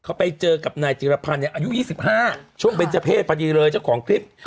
เขาไปเจอกับนายจิรพันธ์เนี่ยอายุ๒๕ช่วงเป็นเจ้าเพศพอดีเลยเจ้าของคลิป